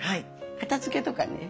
片づけとかね